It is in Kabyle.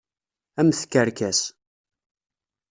A mm tkerkas.